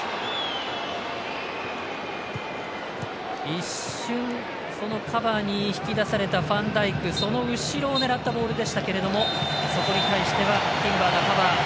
一瞬、カバーに引き出されたファンダイクその後ろを狙ったボールでしたけれどもそこに対してはティンバーがカバー。